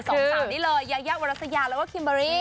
สองสาวนี้เลยยายาวรัสยาแล้วก็คิมเบอรี่